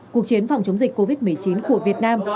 cuộc chiến phòng chống dịch covid một mươi chín của việt nam